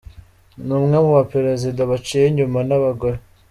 Ni umwe mu baperezida baciwe inyuma n’abagore.